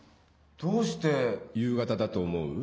どうして夕方だと思う？